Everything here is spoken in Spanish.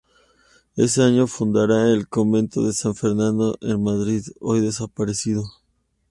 Ese año fundará el convento de San Fernando en Madrid, hoy desaparecido.